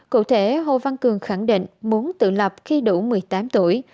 cụ thể hồ văn cường khẳng định muốn tự lập khi đủ một mươi tám tuổi